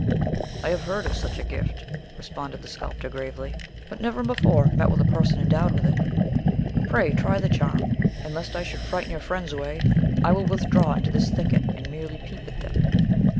"I have heard of such a gift," responded the sculptor gravely, "but never before met with a person endowed with it. Pray try the charm; and lest I should frighten your friends away, I will withdraw into this thicket, and merely peep at them."